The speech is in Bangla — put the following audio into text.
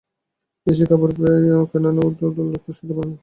দেশী কাপড় প্রায়ই পরে, কেননা ওর দলের লোক সেটা পরে না।